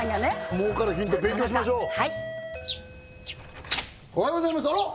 儲かるヒント勉強しましょうおはようございますあらっ！